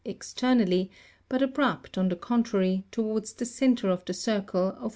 193) externally, but abrupt, on the contrary, towards the centre Theresia.